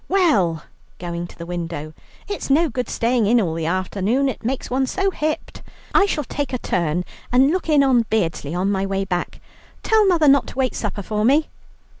Well," going to the window, "it's no good staying in all the afternoon, it makes one so hipped. I shall take a turn and look in on Beardsley on my way back. Tell mother not to wait supper for me."